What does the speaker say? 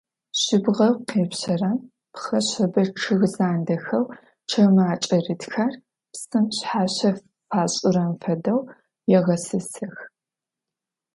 Жьыбгъэу къепщэрэм пхъэшъэбэ чъыг зандэхэу чэумэ акӀэрытхэр, псым шъхьащэ фашӀырэм фэдэу, егъэсысых.